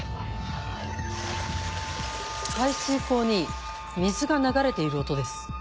排水溝に水が流れている音です。